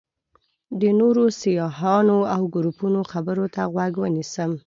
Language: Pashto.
د نورو سیاحانو او ګروپونو خبرو ته غوږ ونیسم.